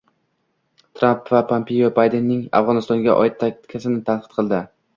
Tramp va Pompeo Baydenning Afg‘onistonga oid taktikasini tanqid qildi